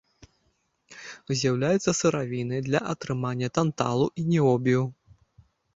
З'яўляецца сыравінай для атрымання танталу і ніобію.